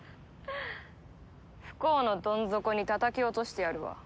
不幸のどん底にたたき落としてやるわ。